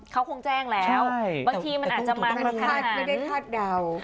เขาคงแจ้งแล้วบางทีมันอาจจะมาทั้งประหลาด